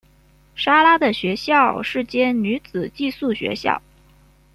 莎拉的学校是间女子寄宿学校。